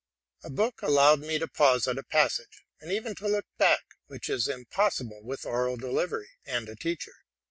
A book allowed me to pause at a pas sage, and even to look back, which is impossible with oral delivery and a teacher.